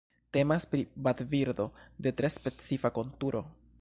Temas pri vadbirdo de tre specifa konturo.